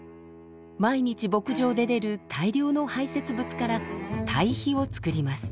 毎日牧場で出る大量の排せつ物から堆肥を作ります。